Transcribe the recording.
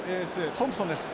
トンプソンです。